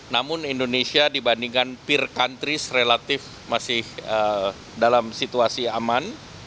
namun indonesia dibandingkan peer countries relatif masih dalam situasi aman